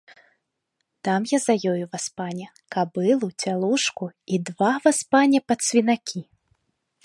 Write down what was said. Дам я за ёю, васпане, кабылу, цялушку і два, васпане, падсвінакі.